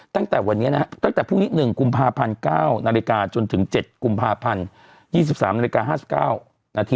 ตั้งแต่วันนี้นะตั้งแต่พรุ่งนี้๑๐๙๐๐นจนถึง๗๒๓๕๙๐๐น